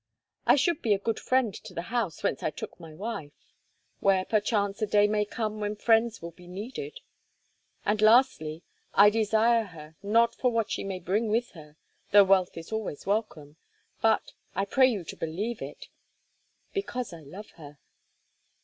I should be a good friend to the house whence I took a wife, where perchance a day may come when friends will be needed; and lastly, I desire her not for what she may bring with her, though wealth is always welcome, but—I pray you to believe it—because I love her."